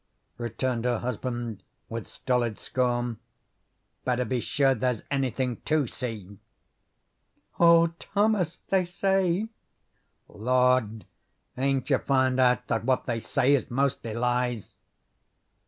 returned her husband with stolid scorn. "Better be sure there's anything to see." "Oh, Thomas, they say " "Lord, ain't you found out that what they say is mostly lies?"